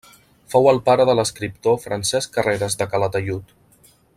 Fou el pare de l'escriptor Francesc Carreres de Calatayud.